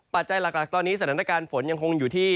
ปัจจัยหลักตอนนี้สถานการณ์ฝนยังคงอยู่ที่